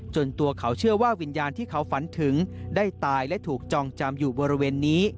ตัวเขาเชื่อว่าวิญญาณที่เขาฝันถึงได้ตายและถูกจองจำอยู่บริเวณนี้